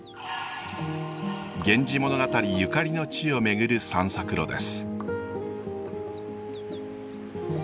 「源氏物語」ゆかりの地を巡る散策路です。